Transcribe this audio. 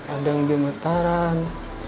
ada yang gemetaran